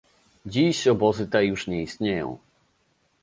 Dziś obozy te już nie istnieją